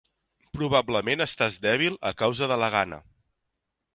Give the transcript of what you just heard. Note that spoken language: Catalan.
Probablement estàs dèbil a causa de la gana.